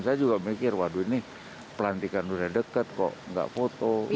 saya juga mikir waduh ini pelantikan udah deket kok nggak foto